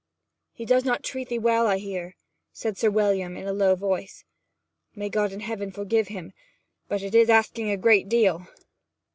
'He does not treat 'ee well, I hear,' said Sir William in a low voice. 'May God in Heaven forgive him; but it is asking a great deal!'